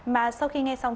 mà sau khi nghe xong